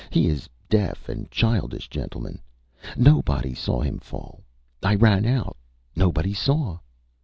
He is deaf and childish, gentlemen. ... Nobody saw him fall. I ran out ... Nobody saw.